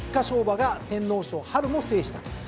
馬が天皇賞も制したと。